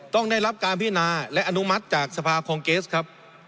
ต้องได้รับการพินาและอนุมัติจากสภาคองเกสครับ